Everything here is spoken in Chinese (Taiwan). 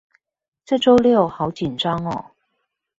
這週六好緊張喔